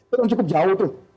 itu cukup jauh tuh